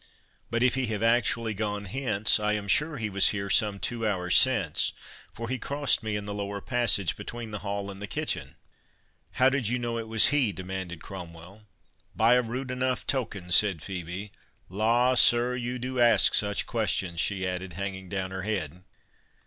But if he have actually gone hence, I am sure he was here some two hours since, for he crossed me in the lower passage, between the hall and the kitchen." "How did you know it was he?" demanded Cromwell. "By a rude enough token," said Phœbe.—"La, sir, you do ask such questions!" she added, hanging down her head.